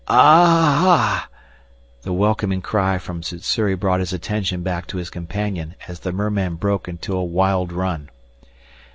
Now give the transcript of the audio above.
"Ahhhh!" The welcoming cry from Sssuri brought his attention back to his companion as the merman broke into a wild run.